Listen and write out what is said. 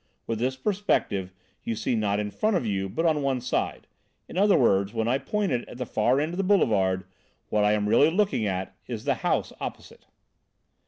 With this perspective you see not in front of you, but on one side. In other words, when I point it at the far end of the boulevard, what I am really looking at is the house opposite."